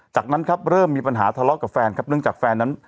จากนั้นครับเริ่มมีปัญหาทะเลาะกับแฟนครับเนื่องจากแฟนนั้น